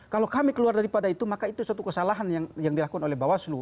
kalau kami keluar daripada itu maka itu suatu kesalahan yang dilakukan oleh bawaslu